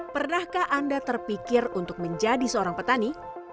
pernahkah anda terpikir untuk menjadi seorang petani